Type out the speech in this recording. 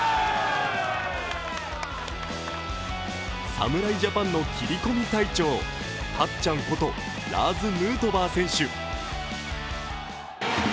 侍ジャパンの切り込み隊長たっちゃんことラーズ・ヌートバー選手。